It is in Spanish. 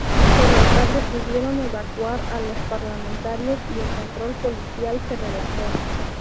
Por la tarde pudieron evacuar a los parlamentarios y el control policial se relajó.